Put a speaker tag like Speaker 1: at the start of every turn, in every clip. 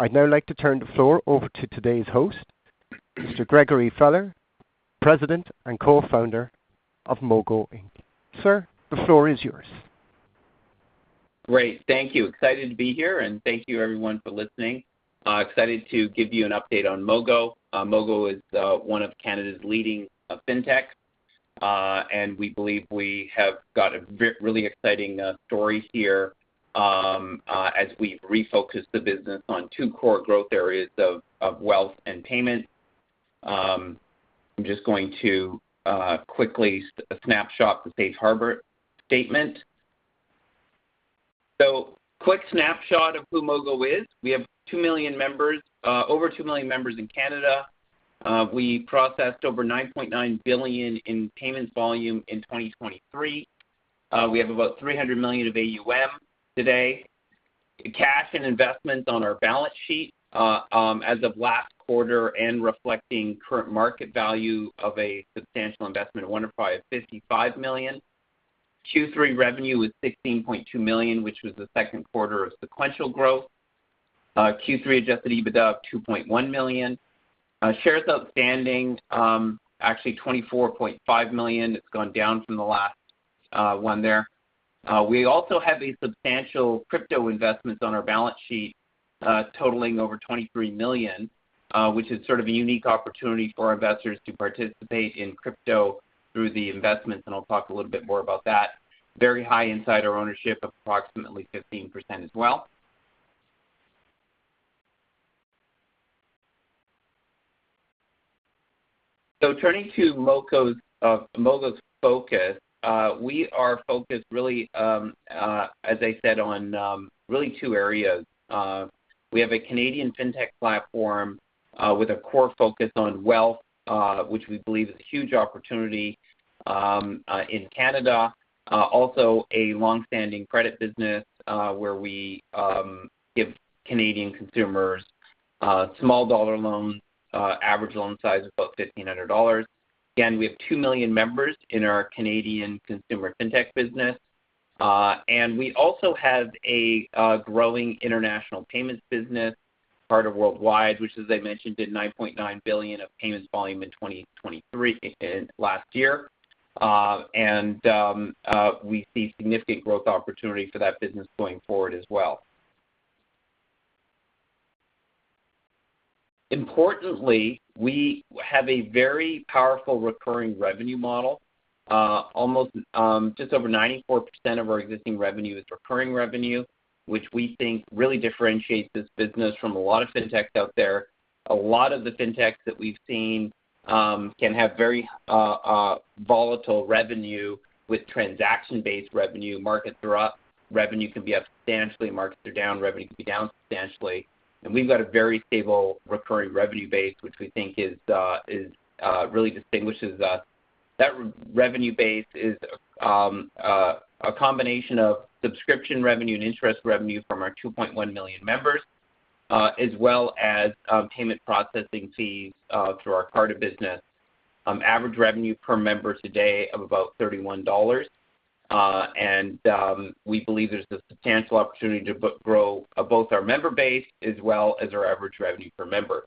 Speaker 1: I'd now like to turn the floor over to today's host, Mr. Gregory Feller, President and Co-Founder of Mogo Inc. Sir, the floor is yours.
Speaker 2: Great. Thank you. Excited to be here, and thank you everyone for listening. Excited to give you an update on Mogo. Mogo is one of Canada's leading fintechs. And we believe we have got a really exciting story here as we refocus the business on two core growth areas of wealth and payment. I'm just going to quickly snapshot the Safe Harbor Statement. So quick snapshot of who Mogo is. We have 2 million members, over 2 million members in Canada. We processed over 9.9 billion in payments volume in 2023. We have about 300 million of AUM today. Cash and investments on our balance sheet as of last quarter and reflecting current market value of a substantial investment in WonderFi is 55 million. Q3 revenue was 16.2 million, which was the second quarter of sequential growth. Q3 adjusted EBITDA of 2.1 million. Shares outstanding, actually 24.5 million. It's gone down from the last one there. We also have a substantial crypto investments on our balance sheet, totaling over 23 million, which is sort of a unique opportunity for investors to participate in crypto through the investments, and I'll talk a little bit more about that. Very high insider ownership, approximately 15% as well. So turning to Mogo's focus, we are focused really, as I said, on really two areas. We have a Canadian fintech platform with a core focus on wealth, which we believe is a huge opportunity in Canada. Also a long-standing credit business, where we give Canadian consumers small dollar loans, average loan size of about 1,500 dollars. Again, we have 2 million members in our Canadian consumer fintech business. And we also have a growing international payments business, Carta Worldwide, which, as I mentioned, did 9.9 billion of payments volume in 2023, last year. And we see significant growth opportunity for that business going forward as well. Importantly, we have a very powerful recurring revenue model. Almost just over 94% of our existing revenue is recurring revenue, which we think really differentiates this business from a lot of fintechs out there. A lot of the fintechs that we've seen can have very volatile revenue with transaction-based revenue. Markets are up, revenue can be up substantially. Markets are down, revenue can be down substantially. We've got a very stable recurring revenue base, which we think really distinguishes us. That revenue base is a combination of subscription revenue and interest revenue from our 2.1 million members, as well as payment processing fees through our Carta business. Average revenue per member today of about 31 dollars. And we believe there's a substantial opportunity to grow both our member base as well as our average revenue per member.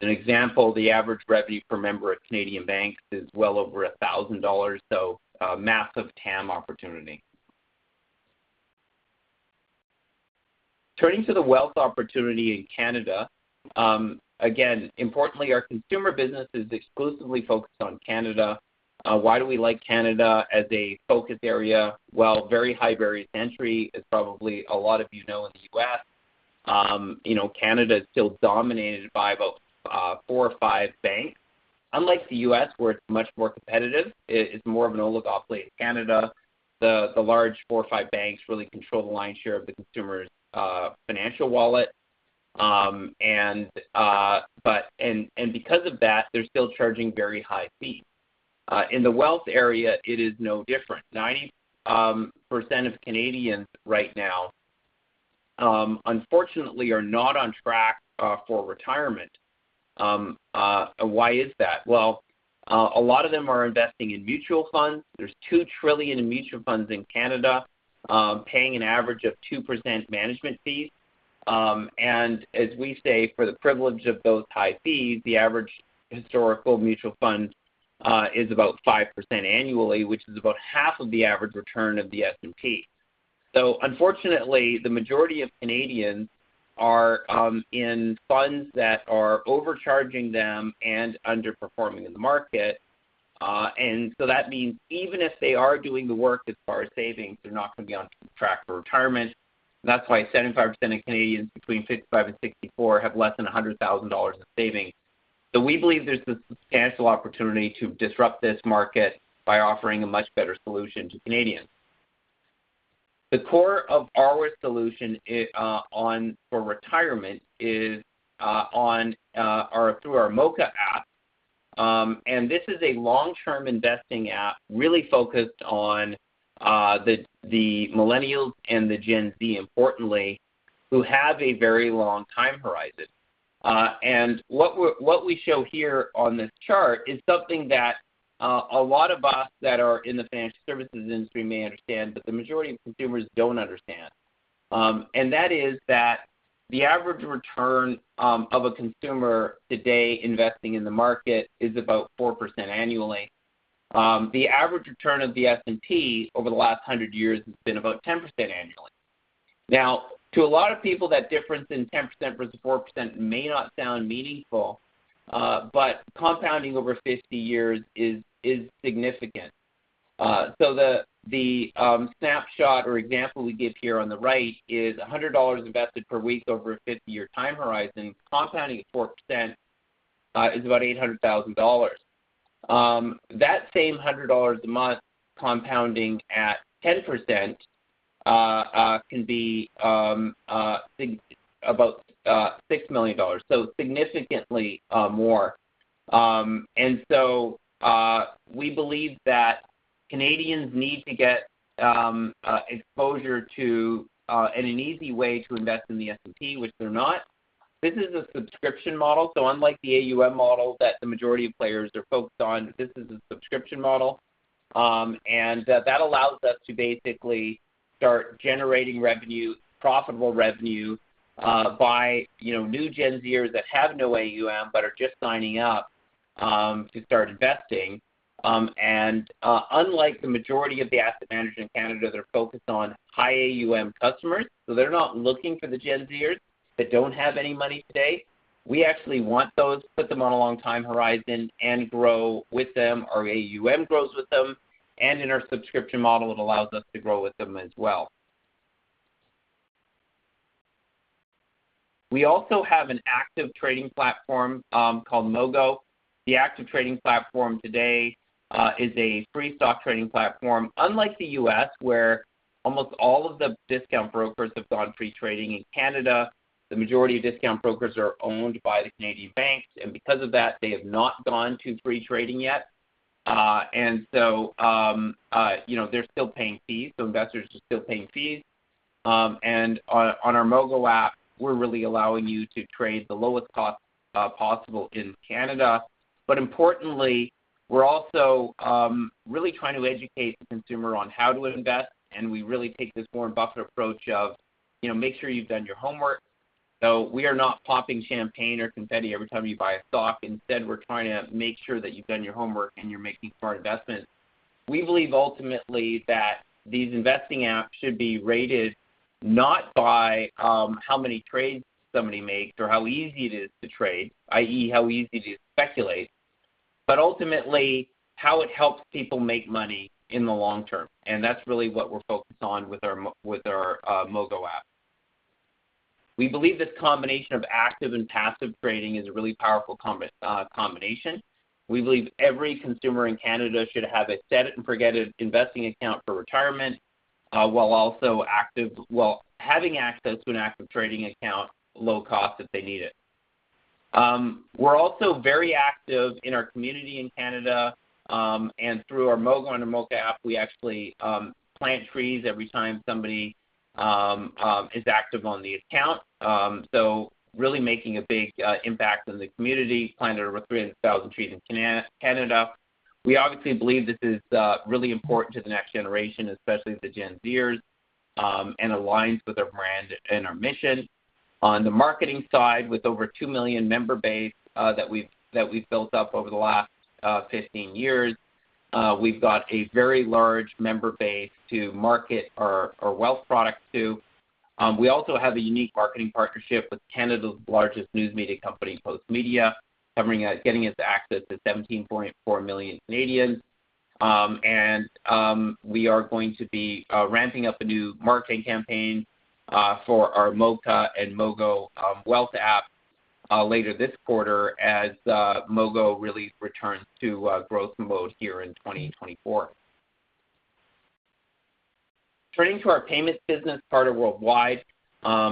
Speaker 2: An example, the average revenue per member at Canadian banks is well over 1,000 dollars, so a massive TAM opportunity. Turning to the wealth opportunity in Canada, again, importantly, our consumer business is exclusively focused on Canada. Why do we like Canada as a focus area? Well, very high barriers to entry, as probably a lot of you know, in the U.S. You know, Canada is still dominated by about four or five banks. Unlike the U.S., where it's much more competitive, it's more of an oligopoly in Canada. The large four or five banks really control the lion's share of the consumer's financial wallet. Because of that, they're still charging very high fees. In the wealth area, it is no different. 90% of Canadians right now, unfortunately, are not on track for retirement. Why is that? Well, a lot of them are investing in mutual funds. There's 2 trillion in mutual funds in Canada, paying an average of 2% management fees. As we say, for the privilege of those high fees, the average historical mutual fund is about 5% annually, which is about half of the average return of the S&P. So unfortunately, the majority of Canadians are in funds that are overcharging them and underperforming in the market. And so that means even if they are doing the work as far as savings, they're not gonna be on track for retirement. That's why 75% of Canadians between 55 and 64 have less than 100,000 dollars in savings. So we believe there's a substantial opportunity to disrupt this market by offering a much better solution to Canadians. The core of our solution for retirement is on or through our Moka app. And this is a long-term investing app really focused on the millennials and the Gen Z, importantly, who have a very long time horizon. And what we show here on this chart is something that a lot of us that are in the financial services industry may understand, but the majority of consumers don't understand. And that is that the average return of a consumer today investing in the market is about 4% annually. The average return of the S&P over the last 100 years has been about 10% annually. Now, to a lot of people, that difference in 10% versus 4% may not sound meaningful, but compounding over 50 years is significant. So the snapshot or example we give here on the right is 100 dollars invested per week over a 50-year time horizon, compounding at 4%, is about 800,000 dollars. That same 100 dollars a month compounding at 10% can be 6 million dollars, so significantly more. We believe that Canadians need to get exposure to and an easy way to invest in the S&P, which they're not. This is a subscription model, so unlike the AUM model that the majority of players are focused on, this is a subscription model. That allows us to basically start generating revenue, profitable revenue, by, you know, new Gen Zers that have no AUM, but are just signing up to start investing. Unlike the majority of the asset managers in Canada that are focused on high AUM customers, so they're not looking for the Gen Zers that don't have any money today. We actually want those, put them on a long time horizon and grow with them, our AUM grows with them, and in our subscription model, it allows us to grow with them as well. We also have an active trading platform called Mogo. The active trading platform today is a free stock trading platform. Unlike the U.S., where almost all of the discount brokers have gone free trading, in Canada, the majority of discount brokers are owned by the Canadian banks, and because of that, they have not gone to free trading yet. You know, they're still paying fees, so investors are still paying fees. And on our Mogo app, we're really allowing you to trade the lowest cost possible in Canada. But importantly, we're also really trying to educate the consumer on how to invest, and we really take this Warren Buffett approach of, you know, make sure you've done your homework. So we are not popping champagne or confetti every time you buy a stock. Instead, we're trying to make sure that you've done your homework and you're making smart investments. We believe ultimately that these investing apps should be rated not by how many trades somebody makes or how easy it is to trade, i.e., how easy to speculate, but ultimately, how it helps people make money in the long term. And that's really what we're focused on with our Mogo app. We believe this combination of active and passive trading is a really powerful combination. We believe every consumer in Canada should have a set-it-and-forget-it investing account for retirement, while also active. While having access to an active trading account, low cost, if they need it. We're also very active in our community in Canada, and through our Mogo and Moka app, we actually plant trees every time somebody is active on the account. So really making a big impact on the community, planted over 300,000 trees in Canada. We obviously believe this is really important to the next generation, especially the Gen Zers, and aligns with our brand and our mission. On the marketing side, with over 2 million member base that we've built up over the last 15 years, we've got a very large member base to market our wealth products to. We also have a unique marketing partnership with Canada's largest news media company, Postmedia, covering getting us access to 17.4 million Canadians. We are going to be ramping up a new marketing campaign for our Moka and Mogo wealth app later this quarter as Mogo really returns to growth mode here in 2024. Turning to our payments business, Carta Worldwide.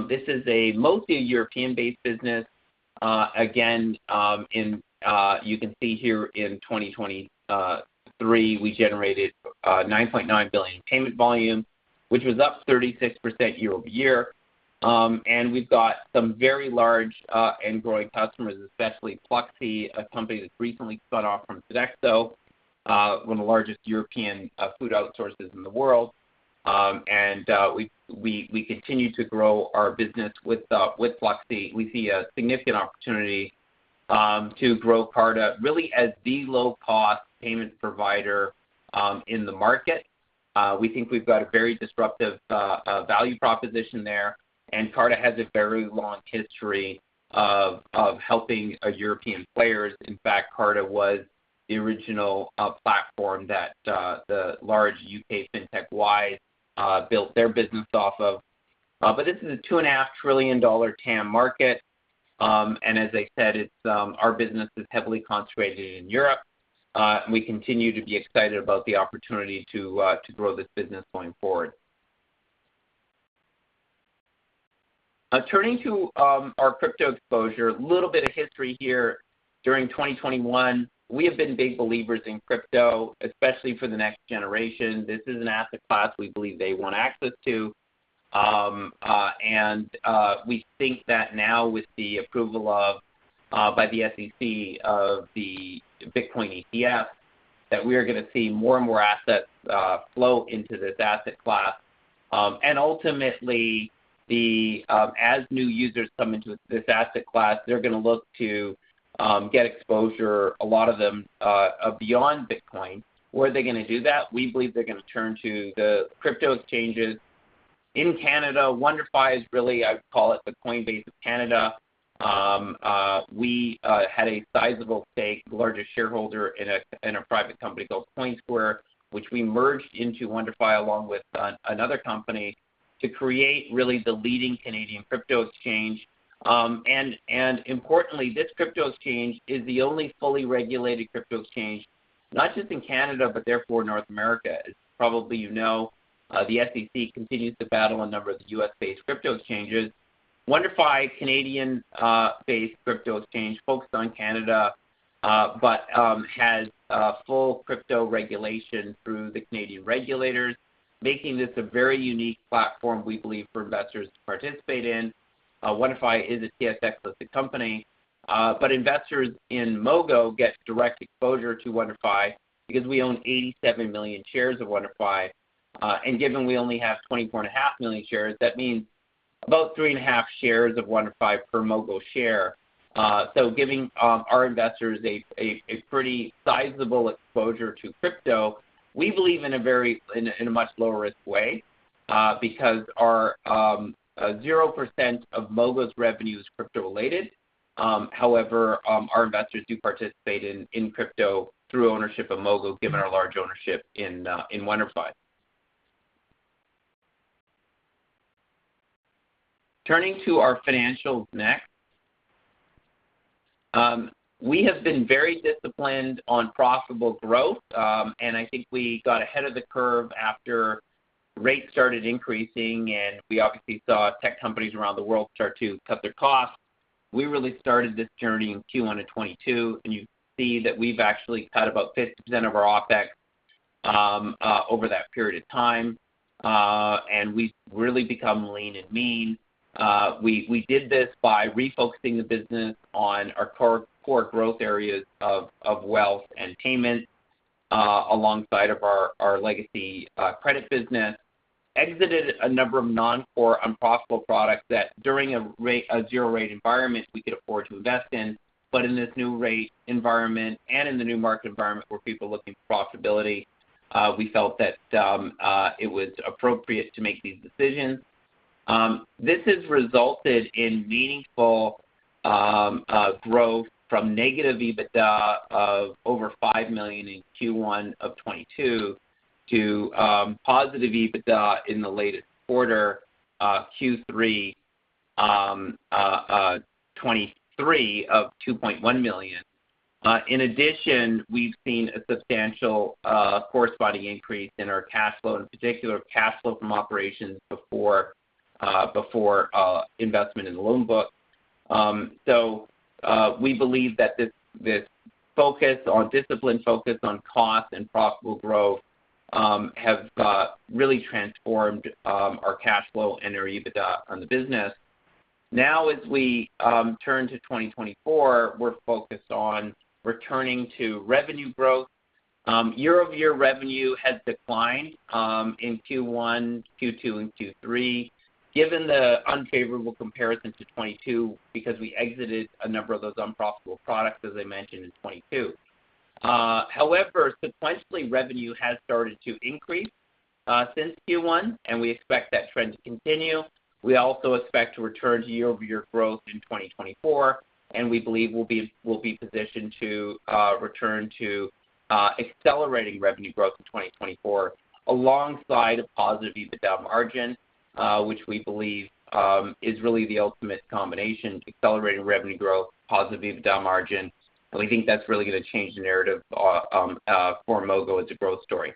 Speaker 2: This is a mostly European-based business. Again, in 2023, we generated 9.9 billion in payment volume, which was up 36% year-over-year. We've got some very large and growing customers, especially Pluxee, a company that recently spun off from Sodexo, one of the largest European food outsourcers in the world. We continue to grow our business with Pluxee. We see a significant opportunity to grow Carta really as the low-cost payment provider in the market. We think we've got a very disruptive value proposition there, and Carta has a very long history of helping European players. In fact, Carta was the original platform that the large U.K. fintech, Wise, built their business off of. But this is a $2.5 trillion TAM market. And as I said, it's our business is heavily concentrated in Europe, and we continue to be excited about the opportunity to grow this business going forward. Turning to our crypto exposure, a little bit of history here. During 2021, we have been big believers in crypto, especially for the next generation. This is an asset class we believe they want access to. And we think that now with the approval by the SEC of the Bitcoin ETF, that we are gonna see more and more assets flow into this asset class. And ultimately, as new users come into this asset class, they're gonna look to get exposure, a lot of them beyond Bitcoin. Where are they gonna do that? We believe they're gonna turn to the crypto exchanges. In Canada, WonderFi is really, I'd call it, the Coinbase of Canada. We had a sizable stake, the largest shareholder in a private company called Coinsquare, which we merged into WonderFi, along with another company, to create really the leading Canadian crypto exchange. And importantly, this crypto exchange is the only fully regulated crypto exchange, not just in Canada, but therefore North America. As probably you know, the SEC continues to battle a number of the U.S.-based crypto exchanges. WonderFi, Canadian-based crypto exchange, focused on Canada, but has a full crypto regulation through the Canadian regulators, making this a very unique platform, we believe, for investors to participate in. WonderFi is a TSX-listed company, but investors in Mogo get direct exposure to WonderFi because we own 87 million shares of WonderFi. Given we only have 24.5 million shares, that means about 3.5 shares of WonderFi per Mogo share. So giving our investors a pretty sizable exposure to crypto, we believe in a much lower risk way, because 0% of Mogo's revenue is crypto-related. However, our investors do participate in crypto through ownership of Mogo, given our large ownership in WonderFi. Turning to our financials next. We have been very disciplined on profitable growth, and I think we got ahead of the curve after rates started increasing, and we obviously saw tech companies around the world start to cut their costs. We really started this journey in Q1 of 2022, and you see that we've actually cut about 50% of our OpEx over that period of time. And we've really become lean and mean. We did this by refocusing the business on our core, core growth areas of wealth and payments, alongside of our legacy credit business. Exited a number of non-core unprofitable products that during a zero-rate environment, we could afford to invest in. But in this new rate environment and in the new market environment, where people are looking for profitability, we felt that it was appropriate to make these decisions. This has resulted in meaningful growth from negative EBITDA of over 5 million in Q1 of 2022 to positive EBITDA in the latest quarter, Q3 2023 of 2.1 million. In addition, we've seen a substantial corresponding increase in our cash flow, in particular, cash flow from operations before investment in the loan book. So, we believe that this disciplined focus on cost and profitable growth has really transformed our cash flow and our EBITDA on the business. Now, as we turn to 2024, we're focused on returning to revenue growth. Year-over-year revenue has declined in Q1, Q2, and Q3, given the unfavorable comparison to 2022, because we exited a number of those unprofitable products, as I mentioned, in 2022. However, subsequently, revenue has started to increase since Q1, and we expect that trend to continue. We also expect to return to year-over-year growth in 2024, and we believe we'll be positioned to return to accelerating revenue growth in 2024, alongside a positive EBITDA margin, which we believe is really the ultimate combination, accelerating revenue growth, positive EBITDA margin. We think that's really gonna change the narrative for Mogo as a growth story.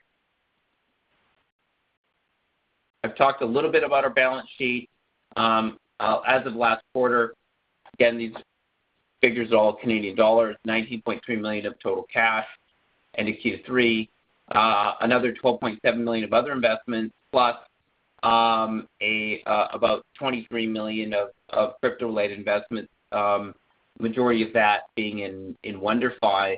Speaker 2: I've talked a little bit about our balance sheet. As of last quarter, again, these figures are all Canadian dollars, 19.3 million of total cash in Q3. Another 12.7 million of other investments plus about 23 million of crypto-related investments. Majority of that being in WonderFi,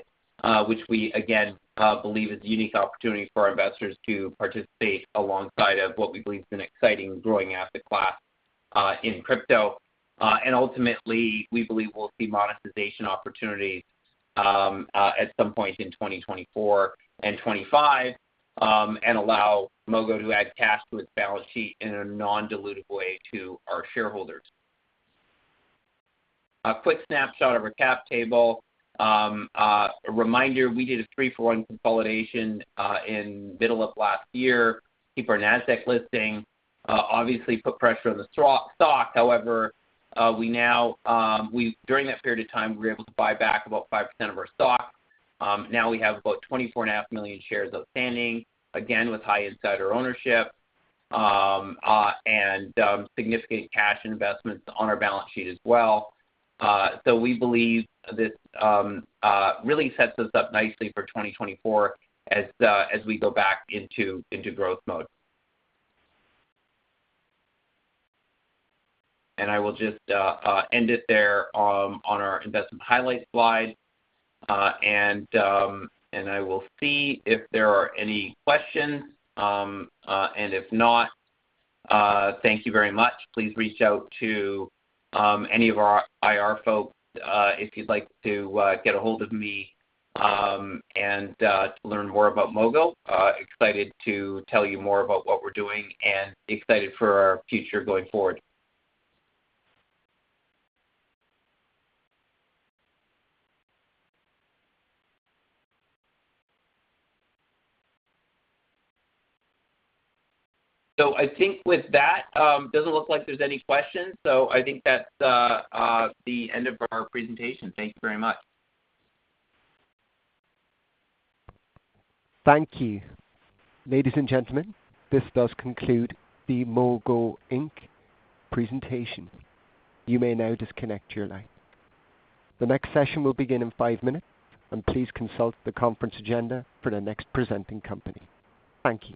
Speaker 2: which we again believe is a unique opportunity for our investors to participate alongside of what we believe is an exciting growing asset class in crypto. And ultimately, we believe we'll see monetization opportunities at some point in 2024 and 2025, and allow Mogo to add cash to its balance sheet in a non-dilutive way to our shareholders. A quick snapshot of our cap table. A reminder, we did a 3-for-1 consolidation in middle of last year to keep our NASDAQ listing. Obviously, put pressure on the stock. However, during that period of time, we were able to buy back about 5% of our stock. Now we have about 24.5 million shares outstanding, again, with high insider ownership, and significant cash investments on our balance sheet as well. So we believe this really sets us up nicely for 2024 as we go back into growth mode. I will just end it there on our investment highlights slide. I will see if there are any questions. If not, thank you very much. Please reach out to any of our IR folks if you'd like to get a hold of me, and to learn more about Mogo. Excited to tell you more about what we're doing and excited for our future going forward. So I think with that, doesn't look like there's any questions. So I think that's the end of our presentation. Thank you very much.
Speaker 1: Thank you. Ladies and gentlemen, this does conclude the Mogo Inc. presentation. You may now disconnect your line. The next session will begin in five minutes, and please consult the conference agenda for the next presenting company. Thank you.